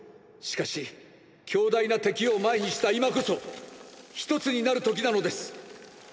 しかし強大な敵を前にした今こそ一つになる時なのです！！